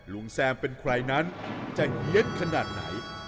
แซมเป็นใครนั้นจะเฮียดขนาดไหน